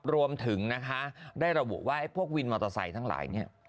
รวมถึงนะคะได้ระบุว่าไอ้พวกวินมอเตอร์ไซค์ทั้งหลายเนี่ย